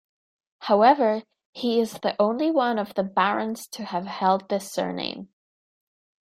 However, he is the only one of the Barons to have held this surname.